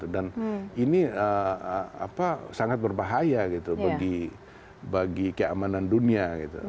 dan ini sangat berbahaya bagi keamanan dunia